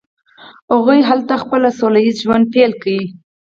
هغوی هلته خپل سوله ایز ژوند پیل کړ.